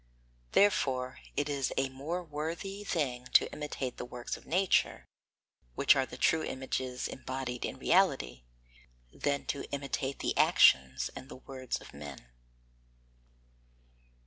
Therefore it is a more worthy thing to imitate the works of nature, which are the true images embodied in reality, than to imitate the actions and the words of men.